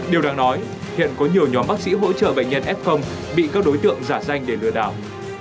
điều đáng nói hiện có nhiều nhóm bác sĩ hỗ trợ bệnh nhân f bị các đối tượng giả danh để lừa đảo